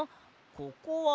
ここは。